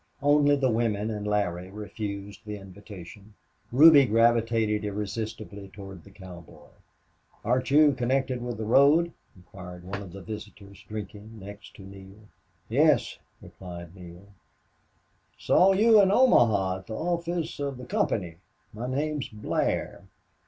Only the women and Larry refused the invitation. Ruby gravitated irresistibly toward the cowboy. "Aren't you connected with the road?" inquired one of the visitors, drinking next to Neale. "Yes," replied Neale. "Saw you in Omaha at the office of the company. My name's Blair.